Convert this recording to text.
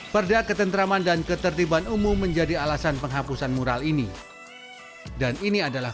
perda ketentraman dan ketertiban umum menjadi alasan penghapusan mural ini dan ini adalah